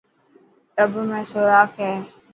ٽب ۾ سوراک هي.